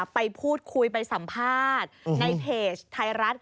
ไปพูดคุยไปสัมภาษณ์ในเพจไทยรัฐ